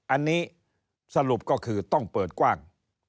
อันนี้สรุปก็คือต้องเปิดกว้าง